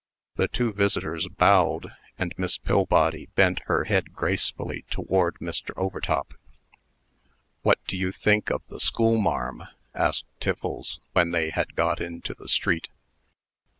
The two visitors bowed, and Miss Pillbody bent her head gracefully toward Mr. Overtop. "What do you think of the schoolmarm?" asked Tiffles, when they had got into the street.